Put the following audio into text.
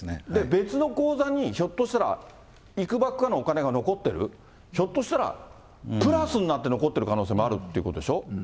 別の口座に、ひょっとしたら、いくばくのお金が残ってる、ひょっとしたら、プラスになって残っている可能性もあるってことでしょ。